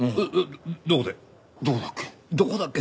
どこだっけ？